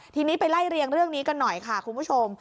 ทีนี้ไปไล่เรียงเรื่องนี้กันหน่อยค่ะคุณผู้ชม